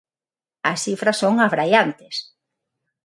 As cifras son abraiantes.